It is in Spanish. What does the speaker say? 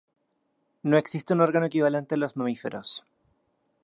No existe un órgano equivalente en los mamíferos.